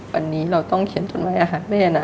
วันนี้เราต้องเขียนต้นไม้อาหารแม่นะ